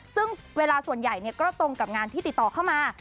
ซึ่งเวลาส่วนใหญ่ก็ตรงกับงานที่ติดต่อเข้ามา